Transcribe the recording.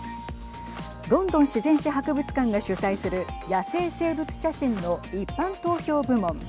ロンドン自然史博物館が主催する野生生物写真の一般投票部門。